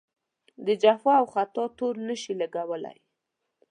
د جفا او خطا تور نه شي لګولای.